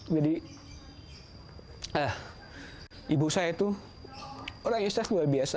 jadi ibu saya itu orang yang istri saya luar biasa